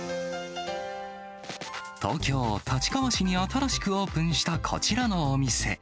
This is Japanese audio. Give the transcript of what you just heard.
東京・立川市に新しくオープンしたこちらのお店。